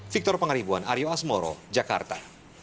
victor pangaribuan aryo asmoro jakarta